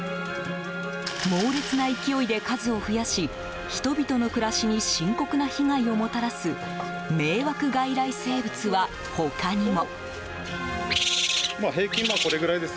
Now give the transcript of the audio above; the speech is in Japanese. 猛烈な勢いで数を増やし人々の暮らしに深刻な被害をもたらす迷惑外来生物は他にも。